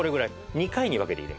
２回に分けて入れます。